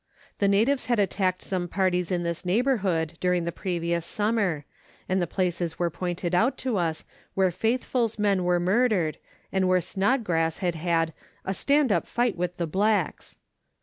The natives had attacked some parties in this neighbourhood during the previous summer, and the places were pointed out to us where Faithfull's men were murdered, and where Snodgrass had had a "stand up fight with the blacks."